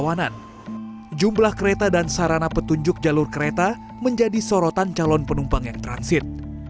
rawanan jumlah kereta dan sarana petunjuk jalur kereta menjadi sorotan calon penumpang yang transit